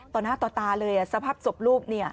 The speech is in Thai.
ตอนหน้าต่อตาเลยสภาพสบรูปเนี่ย